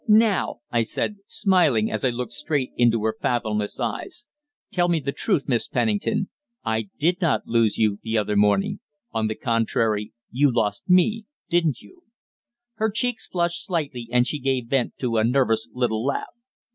Now," I said, smiling as I looked straight into her fathomless eyes, "tell me the truth, Miss Pennington. I did not lose you the other morning on the contrary, you lost me didn't you?" Her cheeks flushed slightly, and she gave vent to a nervous little laugh.